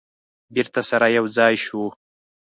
بیرته سره یو ځای شوه.